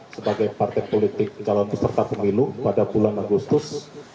sebagai partai politik calon peserta pemilu pada bulan agustus